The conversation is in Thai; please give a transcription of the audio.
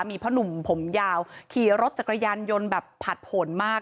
มีพ่อหนุ่มผมยาวขี่รถจักรยานยนต์แบบผัดผลมาก